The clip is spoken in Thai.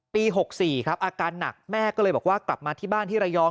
๖๔ครับอาการหนักแม่ก็เลยบอกว่ากลับมาที่บ้านที่ระยอง